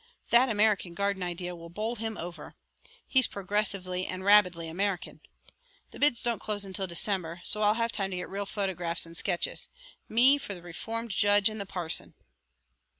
That American garden idea will bowl him over. He's progressively and rabidly American. The bids don't close until December, so I'll have time to get real photographs and sketches. Me for the reformed judge and the parson!"